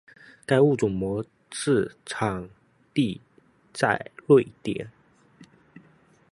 该物种的模式产地在瑞典。